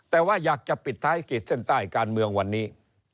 แต่ว่าอยากจะปิดท้ายขีดเส้นใต้การเมืองวันนี้